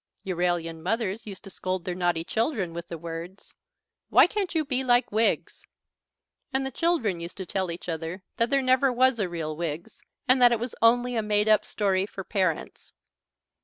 Euralian mothers used to scold their naughty children with the words, "Why can't you be like Wiggs?" and the children used to tell each other that there never was a real Wiggs, and that it was only a made up story for parents.